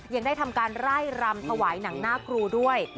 ยังได้ทำการไล่รำถวายหนังหน้าครูด้วย